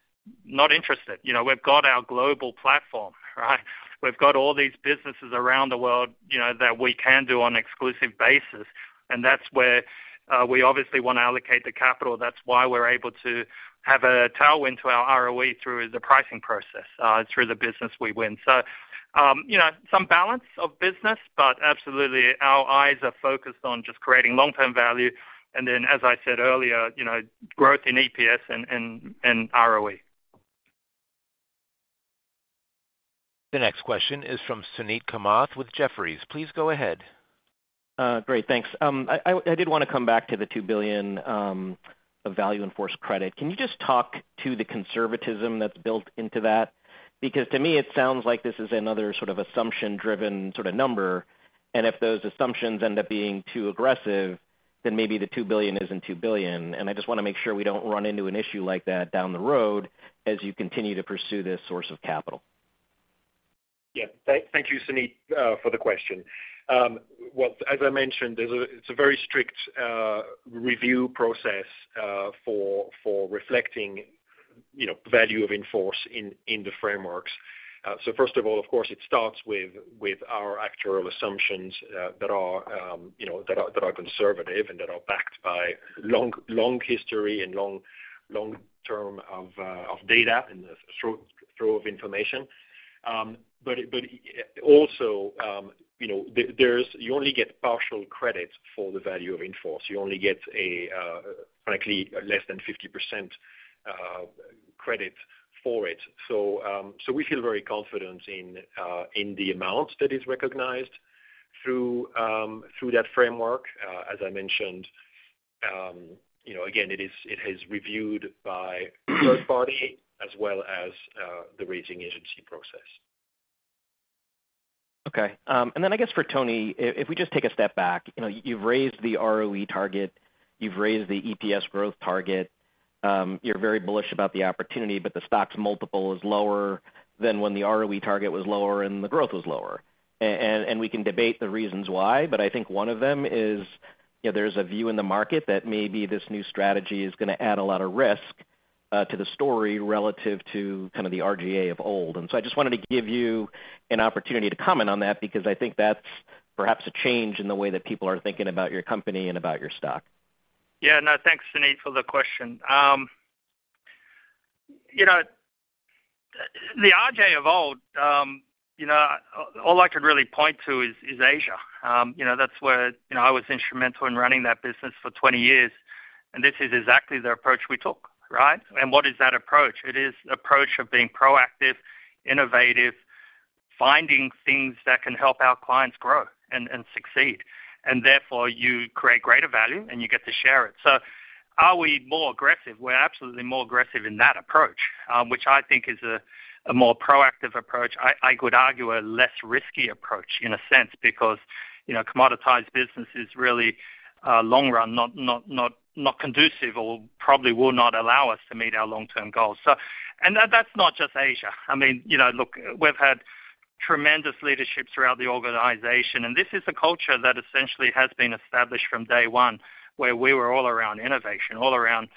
not interested. We've got our global platform, right. We've got all these businesses around the world, you know, that we can do on exclusive basis. That's where we obviously want to allocate the capital. That's why we're able to have a tailwind to our ROE through the pricing process, through the business we win. Some balance of business, but absolutely our eyes are focused on just creating long term value and then as I said earlier, growth in EPS and ROE. The next question is from Suneet Kamath with Jefferies. Please go ahead. Great, thanks. I did want to come back to the $2 billion value in-force credit. Can you just talk to the conservatism that's built into that? To me it sounds like this is another sort of assumption-driven sort of number. If those assumptions end up being too aggressive, then maybe the $2 billion isn't $2 billion. I just want to make sure we don't run into an issue like that down the road as you continue to pursue this source of capital. Thank you, Suneet, for the question. As I mentioned, it's a very strict review process for reflecting value of in-force in the frameworks. First of all, of course, it starts with our actual assumptions that are conservative and that are backed by long history and long term of data and thorough information. You only get partial credit for the value of in-force. You only get, frankly, less than 50% credit for it. We feel very confident in the amount that is recognized through that framework. As I mentioned again, it is reviewed by third party as well as the rating agency process. Okay, and then I guess for Tony, if we just take a step back, you've raised the ROE target, you've raised the EPS growth target, you're very bullish about the opportunity, but the stock's multiple is lower than when the ROE target was lower and the growth was lower. We can debate the reasons why, but I think one of them is there's a view in the market that maybe this new strategy is going to add a lot of risk to the story relative to kind of the RGA of old. I just wanted to give. You an opportunity to comment on that, because I think that's perhaps a change in the way that people are thinking about your company and about your stock. Yeah, no, thanks Suneet, for the question. You know, the RGA of old, you know, all I could really point to is Asia. You know, that's where I was instrumental in running that business for 20 years. This is exactly the approach we took. Right, and what is that approach? It is the approach of being proactive, innovative, finding things that can help our clients grow and succeed, and therefore you create greater value and you get to share it. Are we more aggressive? We're absolutely more aggressive in that approach, which I think is a more proactive approach. I would argue a less risky approach in a sense because commoditized business is really long run, not conducive or probably will not allow us to meet our long term goals. That's not just Asia. I mean, look, we've had tremendous leadership throughout the organization, and this is a culture that essentially has been established from day one where we were all around innovation, all around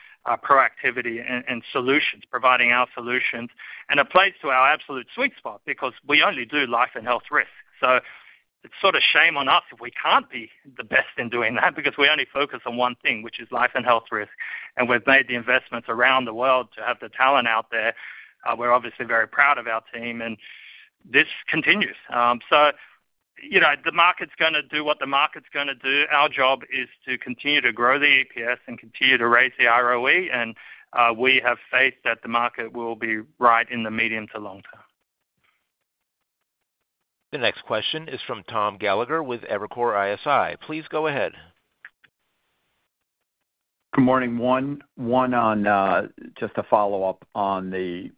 proactivity and solutions, providing our solutions and applies to our absolute sweet spot because we only do life and health risk. It's sort of shame on us if we can't be the best in doing that because we only focus on one thing, which is life and health risk. We've made the investments around the world to have the talent out there. We're obviously very proud of our team, and this continues. The market's going to do what the market's going to do. Our job is to continue to grow the EPS and continue to raise the ROE, and we have faith that the market will be right in the medium to long term. The next question is from Tom Gallagher with Evercore ISI. Please go ahead. Good morning. One, on just a follow-up on the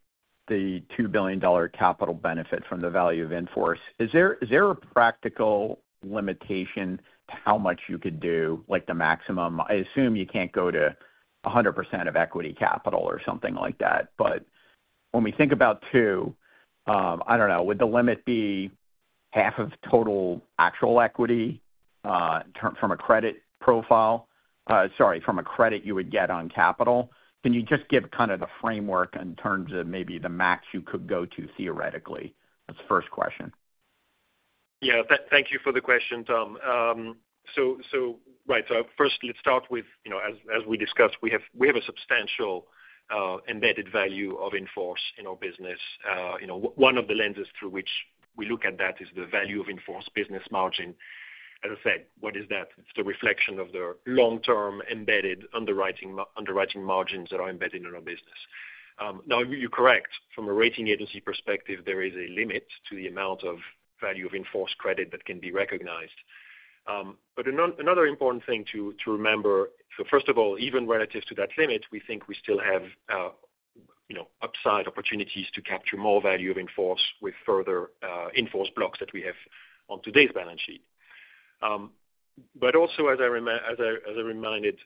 $2 billion capital benefit from the value of in-force, is there a practical limitation to how much you could do? Like the maximum, I assume you can't go to 100% of equity capital or something like that. When we think about two, I don't know, would the limit be half of total actual equity? From a credit profile, from a credit you would get on capital, can you just give kind of the framework in terms of maybe the max you could go to theoretically? That's the first question. Yeah, thank you for the question, Tom. First, let's start with as we discussed, we have a substantial embedded value of in-force in our business. One of the lenses through which we look at that is the value of in-force business margin. As I said, what is that? It's the reflection of the long-term embedded underwriting margins that are embedded in our business. Now, you're correct. From a rating agency perspective, there is a limit to the amount of value of in-force credit that can be recognized. Another important thing to remember, first of all, even relative to that limit, we think we still have upside opportunities to capture more value of in-force with further in-force blocks that we have on today's balance sheet. Also, as I reminded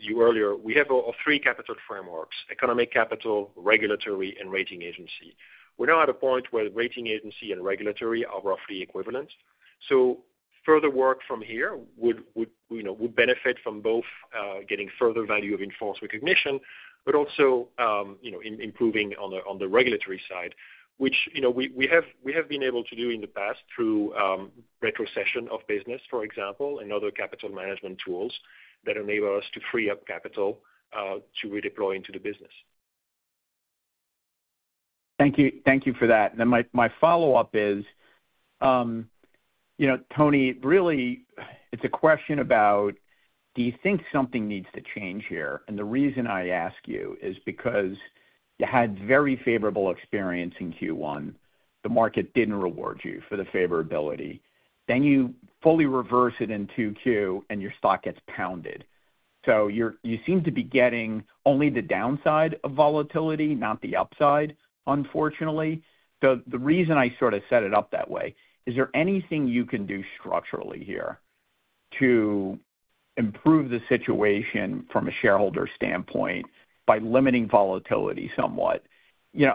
you earlier, we have three capital frameworks: economic capital, regulatory, and rating agency. We're now at a point where rating agency and regulatory are roughly equivalent. Further work from here would benefit from both getting further value of in-force recognition and also improving on the regulatory side, which we have been able to do in the past through retrocession of business, for example, and other capital management tools that enable us to free up capital to redeploy into the business. Thank you for that. My follow-up is, Tony, really it's a question about do you think something needs to change here? The reason I ask you is because you had very favorable experience in Q1, the market didn't reward you for the favorability, then you fully reverse it in Q2 and your stock gets pounded. You seem to be getting only the downside of volatility, not the upside. Unfortunately, the reason I sort of set it up that way is, is there anything you can do structurally here to improve the situation from a shareholder standpoint by limiting volatility somewhat?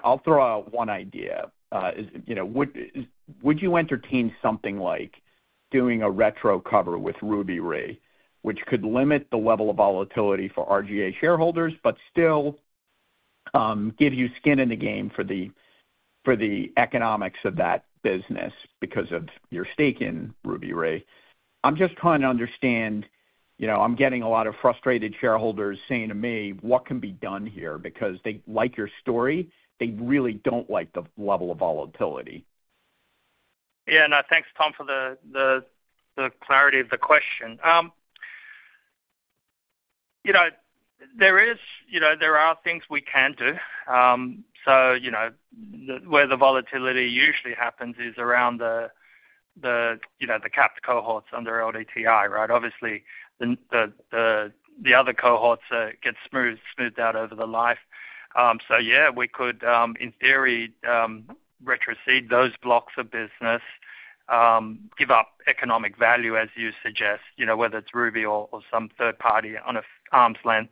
I'll throw out one idea. Would you entertain something like doing a retro cover with Ruby Re, which could limit the level of volatility for Reinsurance Group of America shareholders but still give you skin in the game for the economics of that business because of your stake in Ruby Re? I'm just trying to understand, you know, I'm getting a lot of frustrated shareholders saying to me what can be done here because they like your story. They really don't like the level of volatility. Yeah, no, thanks Tom, for the clarity of the question. There are things we can do. Where the volatility usually happens is around the capped cohorts under LDTI. Obviously, the other cohorts get smoothed out over the life. We could in theory retrocede those blocks of business, give up economic value as you suggest, whether it's Ruby or some third party on an arm's length.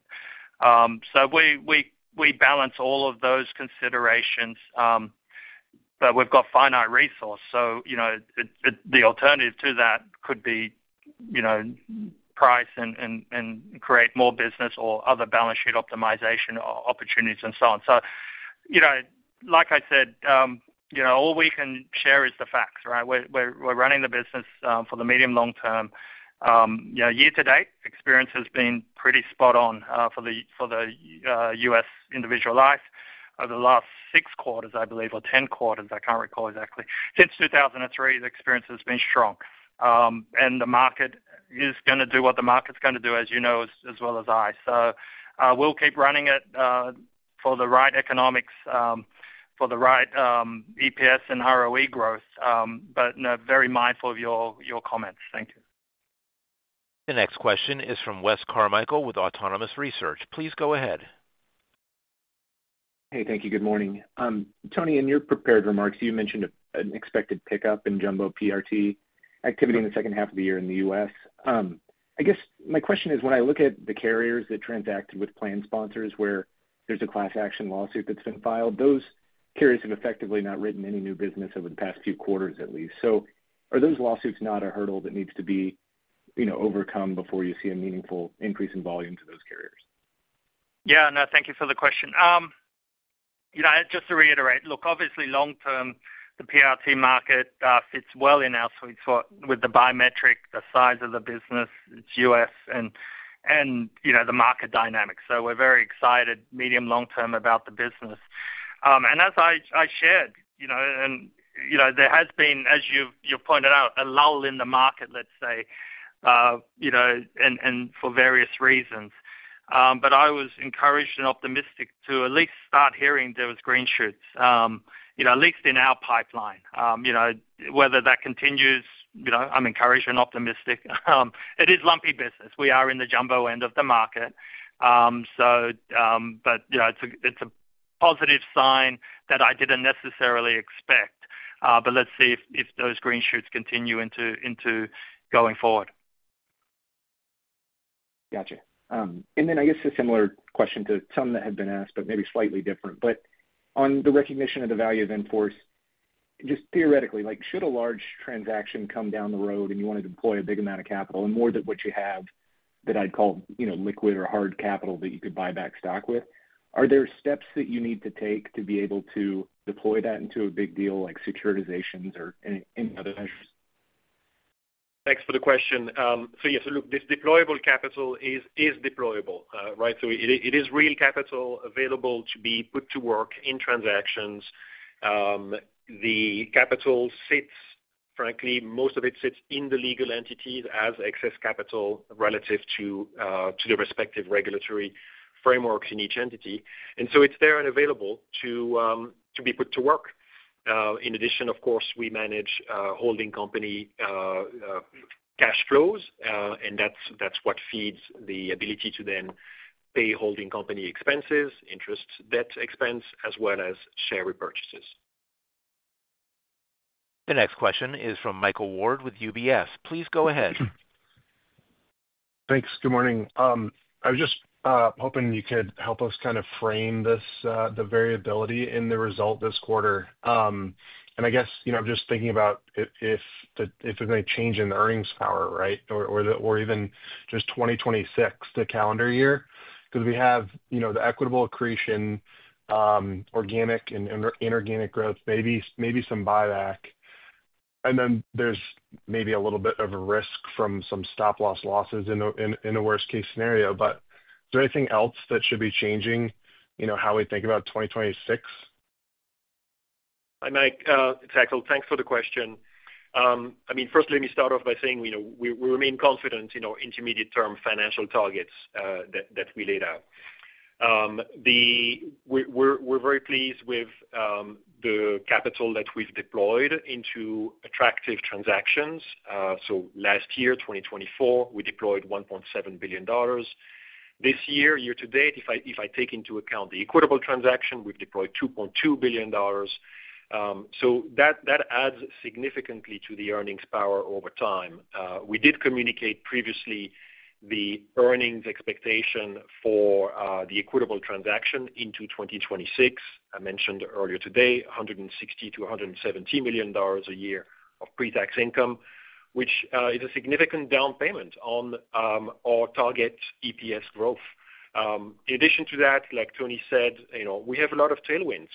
We balance all of those considerations, but we've got finite resource. The alternative to that could be price and create more business or other balance sheet optimization opportunities and so on. Like I said, all we can share is the facts, right? We're running the business for the medium long term. Year to date experience has been pretty spot on for the U.S. individual life over the last six quarters, I believe, or ten quarters, I can't recall exactly. Since 2003, the experience has been strong and the market is going to do what the market's going to do, as you know as well as I. We'll keep running it for the right economics, for the right EPS and ROE growth. Very mindful of your comments. Thank you. The next question is from Wes Carmichael with Autonomous Research. Please go ahead. Thank you. Good morning, Tony. In your prepared remarks, you mentioned an. Expected pickup in jumbo PRT activity in the second half of the year in the U.S. I guess my question is when I look at the carriers that transacted with plan sponsors where there's a class action lawsuit that's been filed, those carriers have effectively not written any new business over the past few quarters at least. Are those lawsuits not a hurdle that needs to be overcome before you. See a meaningful increase in volume to those carriers? Thank you for the question. Just to reiterate, look, obviously, long term. pension risk transfer market fits well in our sweet spot with the biometric, the size of the business, its U.S. and the market dynamics. We are very excited medium long term about the business. As I shared, there has been. As you pointed out, a lull in. The market, let's say for various reasons. I was encouraged and optimistic to at least start hearing those green shoots at least in our pipeline. Whether that continues, I'm encouraged and optimistic. It is lumpy business. We are in the jumbo end of the market. It's a positive sign that I didn't necessarily expect. Let's see if those green shoots continue going forward. Got you. I guess a similar question. To some that have been asked, but maybe slightly different, but on the recognition of the value of in-force. Just theoretically, should a large trust transaction. Come down the road, and you want to deploy a big amount of capital. More than what you have that. I'd call, you know, liquid or hard capital that you could buy back stock with. Are there steps that you need to take to be able to deploy that into a big deal like securitizations? Thanks for the question. Yes, this deployable capital is deployable, right? It is real capital available to be put to work in transactions. The capital sits, frankly most of it sits in the legal entities as excess capital relative to the respective regulatory frameworks in each entity. It is there and available to be put to work. In addition, of course we manage holding company cash flows and that's what feeds the ability to then pay holding company expenses, interest, debt, expense as well as share repurchases. The next question is from Michael Ward with UBS. Please go ahead. Thanks. Good morning. I was just hoping you could help us kind of frame this, the variability in the result this quarter. I guess, you know, I'm just thinking about if there's any change in the earnings power, right? Or even just 2026, the calendar year, because we have the Equitable accretion, organic and inorganic growth, maybe some buyback, and then there's maybe a little bit of a risk from some stop loss losses in the worst case scenario. Is there anything else that should be changing how we think about 2026? Hi Mike, it's Axel. Thanks for the question. First, let me start off by saying we remain confident in our intermediate-term financial targets that we laid out. We're very pleased with the capital that we've deployed into attractive transactions. Last year, 2024, we deployed $1.7 billion. This year, year to date, if I take into account the Equitable transaction, we've deployed $2.2 billion. That adds significantly to the earnings power over time. We did communicate previously the earnings expectation for the Equitable transaction into 2026. I mentioned earlier today $160 to $170 million a year of pre-tax income, which is a significant down payment on our target EPS growth. In addition to that, like Tony said, we have a lot of tailwinds.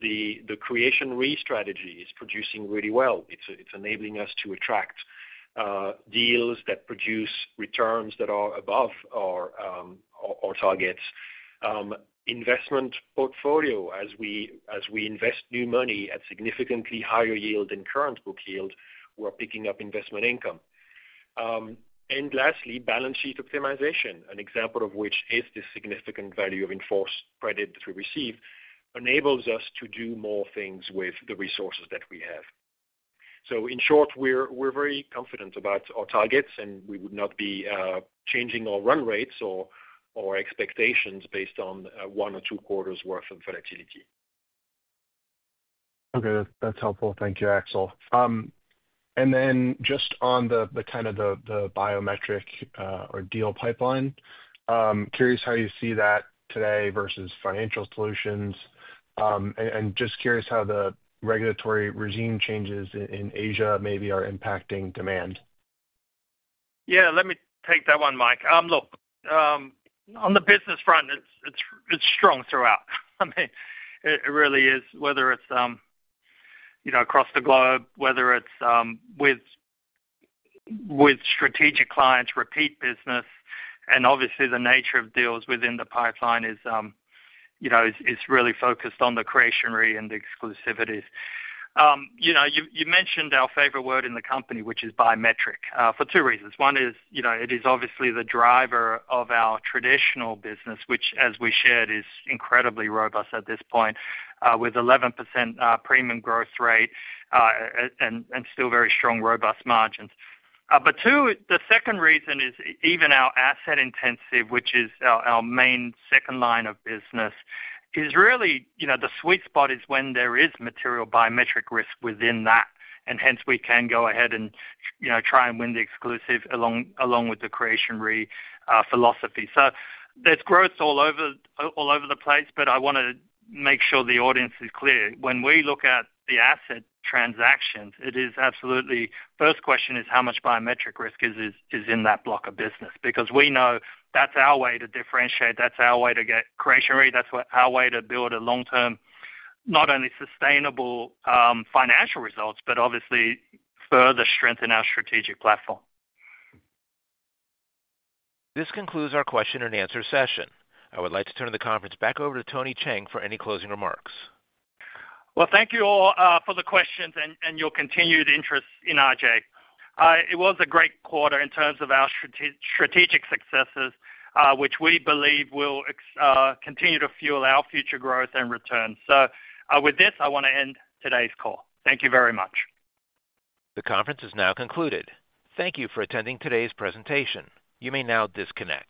The Creation Re strategy is producing really well. It's enabling us to attract deals that produce returns that are above our targets. Investment portfolio, as we invest new money at significantly higher yield than current book yield, we're picking up investment income. Lastly, balance sheet optimization, an example of which is the significant value of in-force credit that we receive, enables us to do more things with the resources that we have. In short, we're very confident about our targets and we would not be changing our run rates or expectations based on one or two quarters' worth of volatility. Okay, that's helpful, thank you, Axel. Then just on the kind of the biometric or deal pipeline, curious how you see that today versus financial solutions and just curious how the regulatory regime changes in Asia maybe are impacting demand. Yeah, let me take that one, Mike. Look, on the business front, it's strong throughout. It really is. Whether it's across the globe, whether it's. With. Strategic clients, repeat business. Obviously, the nature of deals within the pipeline is really focused on the Creation Re and exclusivity. You mentioned our favorite word in the company, which is biometric, for two reasons. One is it is obviously the driver of our traditional business, which, as we shared, is incredibly robust at this point with 11% premium growth rate and still very strong, robust margins. The second reason is even our asset intensive, which is our main second line of business, is really the sweet spot when there is material biometric risk within that, and hence we can go ahead and try and win the exclusive along with the Creation Re philosophy. There's growth all over the place. I want to make sure the audience is clear when we look at the asset transactions. It is absolutely the first question: how much biometric risk is in that block of business? We know that's our way to differentiate, that's our way to get Creation Re, that's our way to build a long-term, not only sustainable financial results, but obviously further strengthen our strategic platform. This concludes our question and answer session. I would like to turn the conference back over to Tony Cheng for any closing remarks. Thank you all for the questions. continued interest in RGA is appreciated. It was a great quarter in terms of our strategic successes, which we believe will continue to fuel our future growth and return. With this, I want to end today's call. Thank you very much. The conference has now concluded. Thank you for attending today's presentation. You may now disconnect.